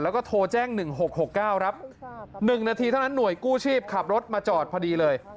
แล้วก็โทรแจ้ง๑๖๖๙ครับ๑นาทีเท่านั้นหน่วยกู้ชีพขับรถมาจอดพอดีเลย